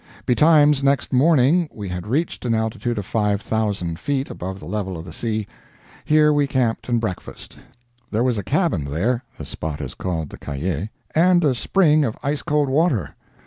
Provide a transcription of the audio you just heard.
Betimes, next morning, we had reached an altitude of five thousand feet above the level of the sea. Here we camped and breakfasted. There was a cabin there the spot is called the Caillet and a spring of ice cold water.